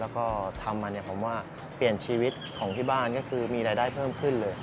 แม่คิดค้นและทำอย่างความว่าเปลี่ยนชีวิตของที่บ้านมีรายได้เพิ่มขึ้นเลย